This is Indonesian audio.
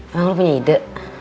bang lu punya ide